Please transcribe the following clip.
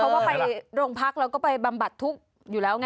เพราะว่าไปโรงพักเราก็ไปบำบัดทุกข์อยู่แล้วไง